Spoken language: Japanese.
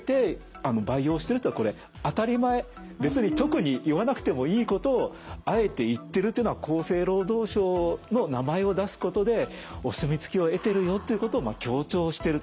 別に特に言わなくてもいいことをあえて言ってるというのは厚生労働省の名前を出すことでお墨付きを得てるよっていうことを強調してると。